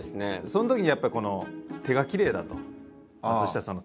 そのときにやっぱりこの手がきれいだと。